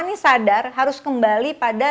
ini sadar harus kembali pada